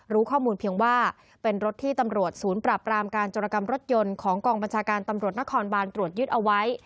รู้ข้อมูลเพียงว่าเป็นรถที่ตำรวจศูนย์ปราบรามการจรกรรมรถยนต์ของกองบัญชาการตำรวจนครบานตรวจยึดเอาไว้